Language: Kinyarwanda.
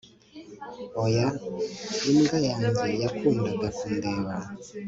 Oya imbwa yanjye yakundaga kundeba